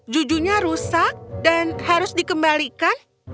jujunya rusak dan harus dikembalikan